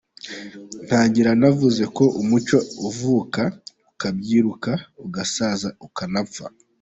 Ntangira navuze ko umuco uvuka, ukabyiruka, ugasaza ukanapfa.